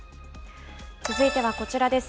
続いてはこちらです。